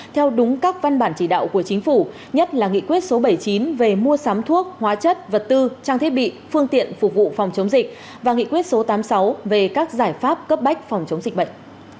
theo đúng các văn bản chỉ đạo của chính phủ nhất là nghị quyết số bảy mươi chín về mua sắm thuốc hóa chất vật tư trang thiết bị phương tiện phục vụ phòng chống dịch và nghị quyết số tám mươi sáu về các giải pháp cấp bách phòng chống dịch bệnh